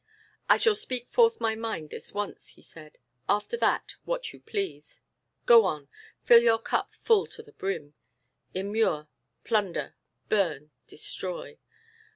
"I shall speak forth my mind this once," he said. "After that, what you please. Go on. Fill your cup full to the brim. Immure, plunder, burn, destroy.